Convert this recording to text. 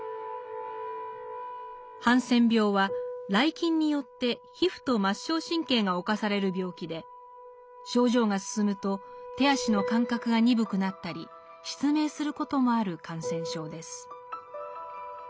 ハンセン病はらい菌によって皮膚と末梢神経が侵される病気で症状が進むと手足の感覚が鈍くなったり失明することもある感染症です。